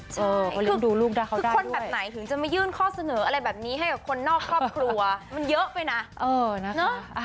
ทุกคนแบบไหนถึงจะมายื่นข้อเสนออะไรแบบนี้ให้กับคนนอกครอบครัวมันเยอะไปนะ